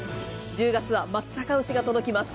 １０月は松阪牛が届きます。